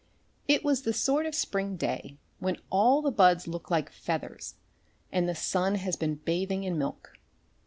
It was the sort of spring day when all the buds look like feathers and the sun has been bathing in milk.